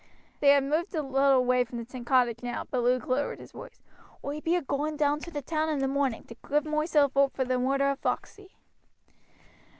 They had moved a little away from the cottage now, but Luke lowered his voice: "Oi be agoing down to t' town in the morning to give moiself oop vor the murder of Foxey."